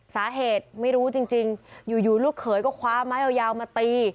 สาเหตุไม่รู้จริงอยู่ลูกเขยก็คว้าไม้ยาวมาตี